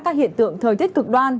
các hiện tượng thời tiết cực đoan